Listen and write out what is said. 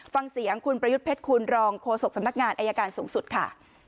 ฟังเสียงคุณประยุทธ์เพชรคุณรองโฆษกสำนักงานอายการสูงสุดค่ะ